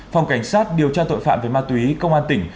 phòng cảnh sát điều tra tội phạm về ma túy công an tỉnh